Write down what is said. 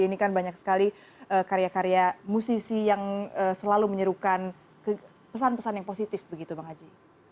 ini kan banyak sekali karya karya musisi yang selalu menyerukan pesan pesan yang positif begitu bang haji